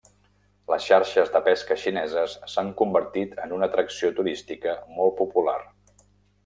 Les xarxes de pesca xineses s'han convertit en una atracció turística molt popular.